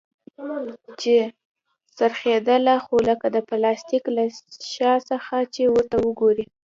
چې څرخېدله خو لکه د پلاستيک له شا څخه چې ورته وگورې.